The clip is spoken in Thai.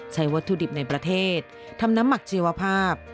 วัตถุดิบในประเทศทำน้ำหมักชีวภาพ